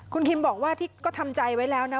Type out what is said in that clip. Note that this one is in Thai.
คุณคิมบอกว่าที่ก็ทำใจไว้แล้วนะ